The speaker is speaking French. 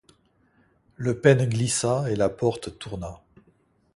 Le pêne glissa et la porte tourna.